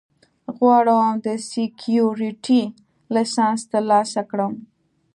غواړم د سیکیورټي لېسنس ترلاسه کړم